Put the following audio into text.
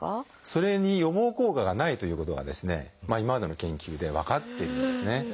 それに予防効果がないということが今までの研究で分かっているんですね。